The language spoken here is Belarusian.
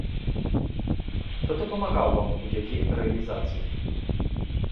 Хто дапамагаў вам у яе рэалізацыі?